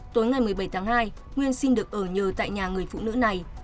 tối ngày một mươi bảy tháng hai nguyên xin được ở nhờ tại nhà người phụ nữ này